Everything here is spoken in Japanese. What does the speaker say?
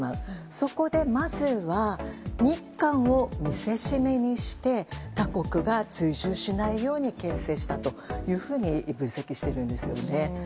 そこでまずは日韓を見せしめにして他国が追従しないように牽制したというふうに分析しているんですね。